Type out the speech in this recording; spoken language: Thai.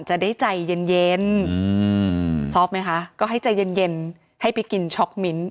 จะได้ใจเย็นซอฟไหมคะก็ให้ใจเย็นให้ไปกินช็อกมิ้นท